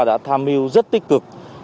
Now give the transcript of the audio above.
đã tham mưu rất tích cực